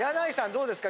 どうですか？